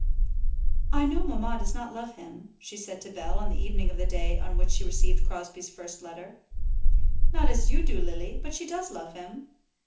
"I know mamma does not love him," she said to Bell on the evening of the day on which she received Crosbie's first letter. "Not as you do, Lily; but she does love him."